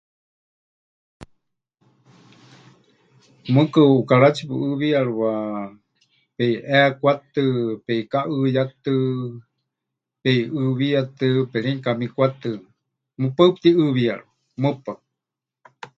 Mɨɨkɨ ʼukaratsi pɨʼɨɨwiyarɨwa peʼiʼeekwatɨ, peʼikaʼɨɨyátɨ, peʼiʼɨɨwíyatɨ, perenukamikwatɨ, mɨpaɨ pɨtiʼɨɨwiyarɨwa, mɨpaɨ.